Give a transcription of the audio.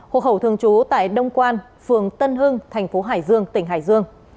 hộ khẩu thường trú tại đông quan phường tân hưng thành phố hải dương tỉnh hải dương